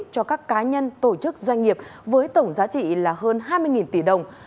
cho các cá nhân tổ chức doanh nghiệp với tổng giá trị là hơn hai mươi tỷ đồng